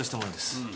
うん。